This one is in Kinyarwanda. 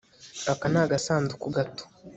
Aka ni agasanduku gato